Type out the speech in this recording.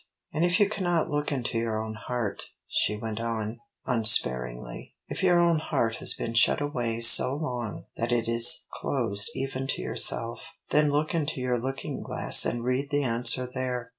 "And if you cannot look into your own heart," she went on, unsparingly, "if your own heart has been shut away so long that it is closed even to yourself, then look into your looking glass and read the answer there.